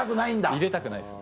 入れたくないです。